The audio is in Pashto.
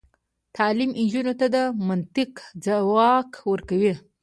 تعلیم نجونو ته د منطق ځواک ورکوي.